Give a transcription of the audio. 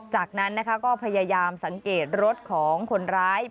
จากนั้นนะคะก็พยายามสังเกตรถของคนร้าย